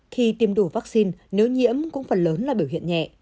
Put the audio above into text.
khi tiêm đủ vaccine nếu nhiễm cũng phần lớn là biểu hiện nhẹ